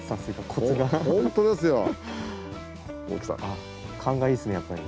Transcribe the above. あっ勘がいいっすねやっぱり。